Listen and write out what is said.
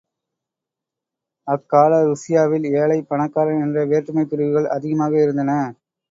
அக்கால ருஷ்யாவில், ஏழை, பணக்காரன் என்ற வேற்றுமைப் பிரிவுகள் அதிகமாக இருந்தன.